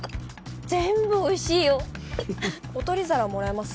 全部おいしいよ。お取り皿もらえます？